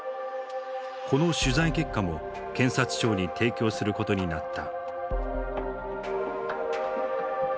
この取材結果も検察庁に提供することになった。